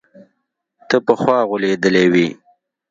ته پخوا غولېدلى وي.